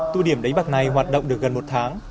tụ điểm đánh bạc này hoạt động được gần một tháng